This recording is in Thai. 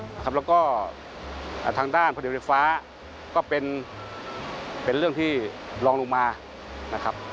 แล้วก็ทางด้านผลิตไฟฟ้าก็เป็นเรื่องที่ลองลงมานะครับ